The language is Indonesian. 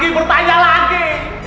betul betul kamu tidak mengenalku